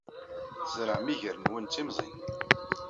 Tzerɛem iger-nwen d timẓin.